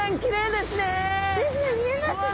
ですね見えますね！